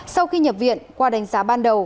sau khi nhập viện qua đánh giá ban đầu